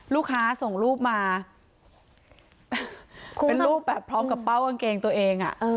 ลูกค้าส่งรูปมาเป็นรูปแบบพร้อมกับเป้ากางเกงตัวเอง